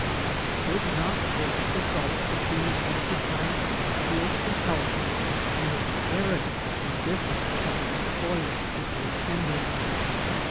I could not bridge the gulf between the advertised appeals for help and this arrogant indifference of the employing superintendent.